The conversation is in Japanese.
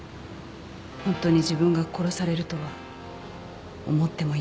本当に自分が殺されるとは思ってもいなかった。